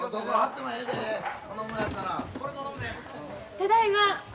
ただいま。